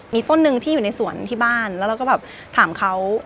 มีต้นหนึ่งที่อยู่ในสวนที่บ้านแล้วเราก็แบบถามเขา